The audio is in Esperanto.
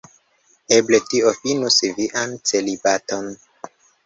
Eble tio finus vian celibaton.